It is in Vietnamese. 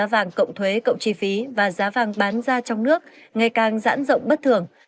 giá vàng cộng thuế cộng chi phí và giá vàng bán ra trong nước ngày càng giãn rộng bất thường